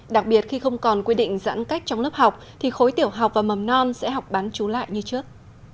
đặc biệt khi không còn quy định giãn cách trong lớp học thì khối tiểu học và mầm non sẽ học bán chú lại như trước